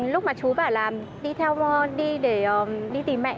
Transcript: lúc mà chú bảo đi tìm mẹ